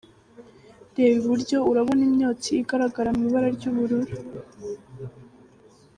Reba iburyo urabona imyotsi igaragara mu ibara ry'ubururu.